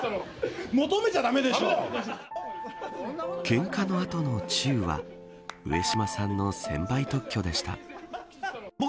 けんかの後のチューは上島さんの専売特許でした。